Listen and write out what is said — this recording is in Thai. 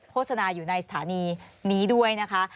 โฆษณาอยู่ในสถานีนี้ด้วยนะคะ